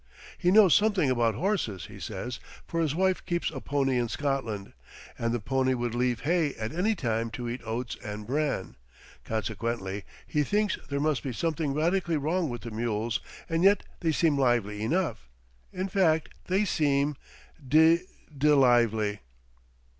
He knows something about horses, he says, for his wife keeps a pony in Scotland, and the pony would leave hay at any time to eat oats and bran; consequently, he thinks there must be something radically wrong with the mules; and yet they seem lively enough in fact, they seem d d lively.